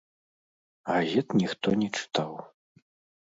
Газет ніхто не чытаў.